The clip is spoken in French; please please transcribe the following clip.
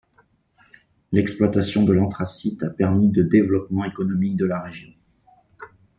L'exploitation de l'anthracite a permis de développement économique de la région.